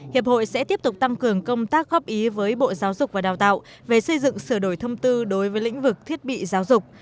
hiệp hội sẽ tiếp tục tăng cường công tác góp ý với bộ giáo dục và đào tạo về xây dựng sửa đổi thông tư đối với lĩnh vực thiết bị giáo dục